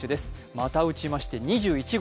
また打ちまして２１号。